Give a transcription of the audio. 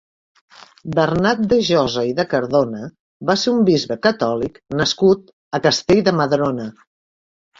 Bernat de Josa i de Cardona va ser un bisbe catòlic nascut a Castell de Madrona.